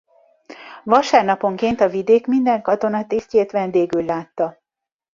Vasárnaponként a vidék minden katonatisztjét vendégül látta.